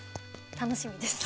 楽しみです。